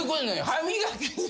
歯磨き。